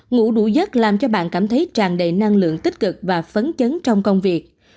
ngủ đủ giấc làm cho bạn cảm thấy tràn đầy năng lượng tích cực và phấn chấn trong công việc